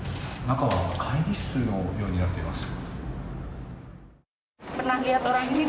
中は会議室のようになっています。